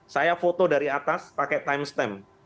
saya foto dari atas pakai timestamp